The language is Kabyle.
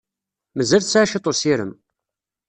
Mazal tesɛa cwiṭ n ussirem.